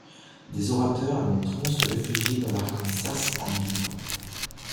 Des orateurs admettront se réfugier dans l'Arkansas en militant.